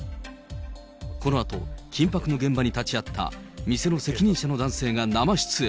このあと、緊迫の現場に立ち会った、店の責任者の男性が生出演。